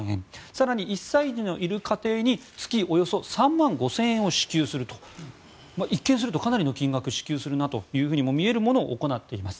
更に１歳児のいる家庭に月およそ３万５０００円を支給するという一見するとかなりの金額を支給するなというものを行っています。